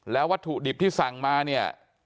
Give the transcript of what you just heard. แล้ววัตถุดิบที่สั่งมาเนี่ย